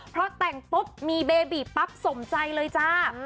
เพราะแต่งปุ๊บมีเบบีปั๊บสมใจเลยจ้า